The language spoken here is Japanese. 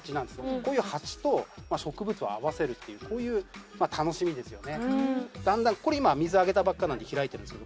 こういう鉢と植物を合わせるっていう楽しみですよね。